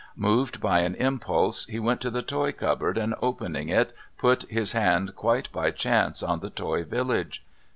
Moved by an impulse, he went to the toy cupboard and, opening it, put his hand quite by chance on the toy village.